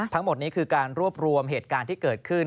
ทั้งหมดนี้คือการรวบรวมเหตุการณ์ที่เกิดขึ้น